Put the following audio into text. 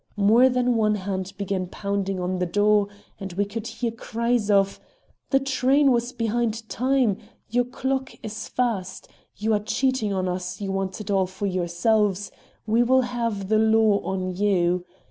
More than one hand began pounding on the door, and we could hear cries of, "The train was behind time!" "Your clock is fast!" "You are cheating us; you want it all for yourselves!" "We will have the law on you!"